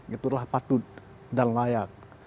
itu adalah patut dan layak